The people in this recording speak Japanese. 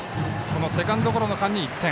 このセカンドゴロの間に１点。